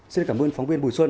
xin cảm ơn phóng viên bùi xuân